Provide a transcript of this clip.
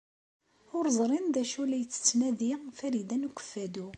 Ur ẓrin d acu ay la tettnadi Farida n Ukeffadu.